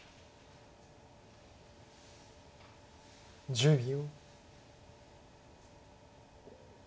１０秒。